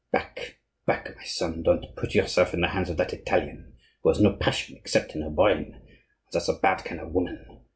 Back, back, my son; don't put yourself in the hands of that Italian, who has no passion except in her brain; and that's a bad kind of woman!